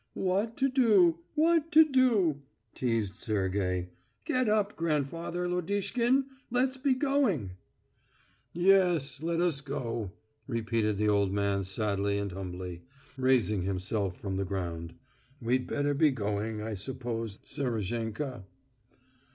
"Wha at to do, wha at to do!" teased Sergey. "Get up, grandfather Lodishkin; let's be going!" "Yes, let us go!" repeated the old man sadly and humbly, raising himself from the ground. "We'd better be going, I suppose, Serozhenka."